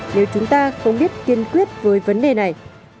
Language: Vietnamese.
nếu chúng ta không biết kiên quyết với vấn đề này